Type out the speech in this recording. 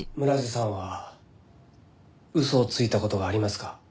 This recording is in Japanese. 村瀬さんは嘘をついた事がありますか？